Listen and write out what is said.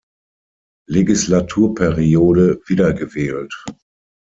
Legislaturperiode wiedergewählt.